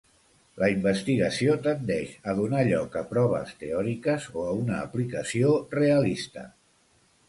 La investigació tendeix a donar lloc a proves teòriques o a una aplicació realista.